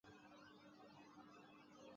愈创树亦称愈创木是愈创木属的植物。